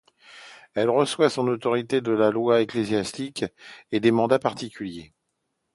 Elle reçoit son autorité de la loi ecclésiastique et des mandats particuliers.